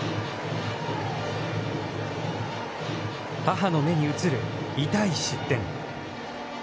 母の目に映る痛い失点。